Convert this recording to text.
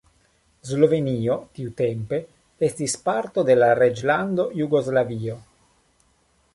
Slovenio tiutempe estis parto de la Reĝlando Jugoslavio.